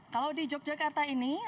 kalau di yogyakarta ini